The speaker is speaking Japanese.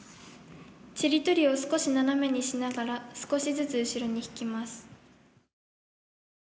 ちりとりを少しななめにしながら少しずつ後ろに引きます」。